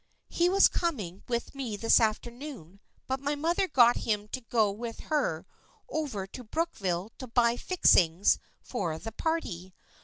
He was coming with me this afternoon but my mother got him to go with her over to Brookville to buy 1 fixings ' for the party.